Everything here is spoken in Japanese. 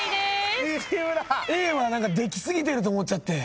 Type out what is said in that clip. Ａは何かでき過ぎてると思っちゃって。